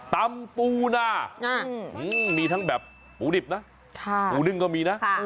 ปูนามีทั้งแบบหมูดิบนะปูนึ่งก็มีนะ